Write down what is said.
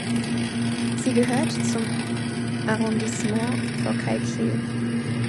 Sie gehört zum Arrondissement Forcalquier.